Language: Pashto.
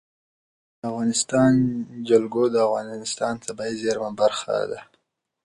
د افغانستان جلکو د افغانستان د طبیعي زیرمو برخه ده.